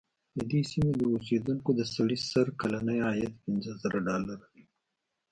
د دې سیمې د اوسېدونکو د سړي سر کلنی عاید پنځه زره ډالره دی.